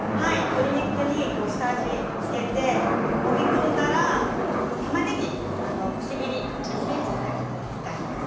鶏肉に下味を付けてもみ込んだらたまねぎくし切り１ｃｍくらいに切ってあります。